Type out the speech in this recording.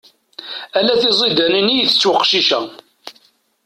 Ala tiziḍanin i itett weqcic-a.